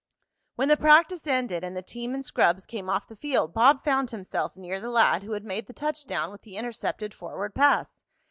When the practice ended and the team and scrubs came off the field Bob found himself near the lad who had made the touchdown with the intercepted forward pass.